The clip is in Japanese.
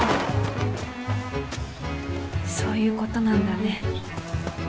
そういうことなんだね。